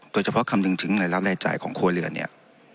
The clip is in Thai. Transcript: โดยเฉพาะคำหนึ่งถึงหลักและราชิตจ่ายมาจากของครัวเรือนเนี่ย